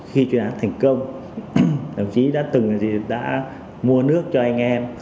khi chuyên án thành công đồng chí đã từng đã mua nước cho anh em